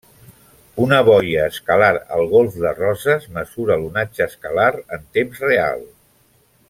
Una boia escalar al Golf de Roses mesura l'onatge escalar en temps real.